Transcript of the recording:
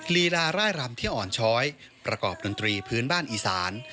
ลีลาร่ายรำที่อ่อนช้อยประกอบดนตรีพื้นบ้านอีสาน